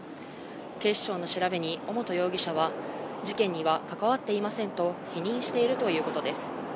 警視庁の調べに尾本容疑者は、事件には関わっていませんと、否認しているということです。